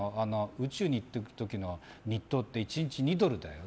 宇宙に行く時の日当って１日２ドルだよ。